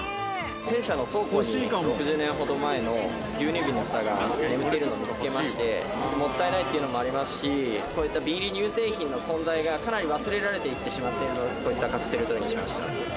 弊社の倉庫に６０年ほど前の牛乳瓶のふたが眠っているのを見つけまして、もったいないっていうのもありますし、こういった瓶入り乳製品の存在がかなり忘れられていってしまうので、こういったカプセルトイにしました。